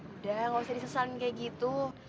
udah gak usah disesalin kayak gitu